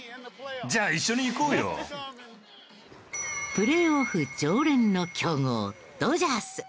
プレーオフ常連の強豪ドジャース。